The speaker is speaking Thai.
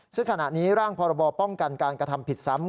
ซึ่งขณะนี้ร่างพรบป้องกันการกระทำผิดซ้ำ